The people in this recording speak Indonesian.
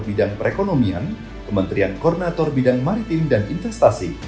bidang perekonomian kementerian koordinator bidang maritim dan investasi